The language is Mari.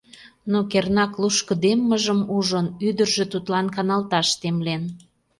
Но кернак лушкыдеммыжым ужын, ӱдыржӧ тудлан каналташ темлен.